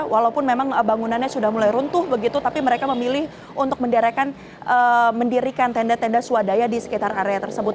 walaupun memang bangunannya sudah mulai runtuh begitu tapi mereka memilih untuk mendirikan tenda tenda swadaya di sekitar area tersebut